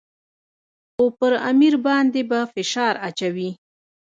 خو پر امیر باندې به فشار اچوي.